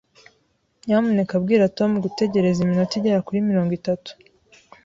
Nyamuneka bwira Tom gutegereza iminota igera kuri mirongo itatu.